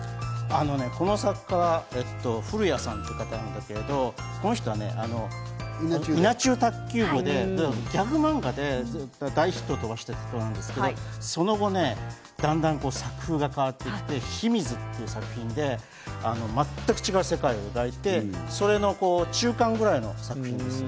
この作家、古谷さんという方なんだけれども、この人はね、『行け！稲中卓球部』で、ギャグマンガって大ヒットを飛ばしている人なんですけど、その後ね、だんだん作風が変わって、『ヒミズ』という作品で全く違った世界を描いて、それの中間くらいの作品です。